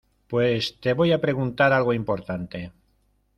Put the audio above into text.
pues te voy a preguntar algo importante.